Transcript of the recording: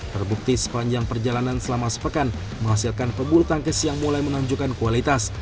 terbukti sepanjang perjalanan selama sepekan menghasilkan pebulu tangkis yang mulai menunjukkan kualitas